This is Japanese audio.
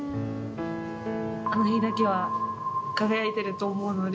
あの日だけは輝いてると思うので。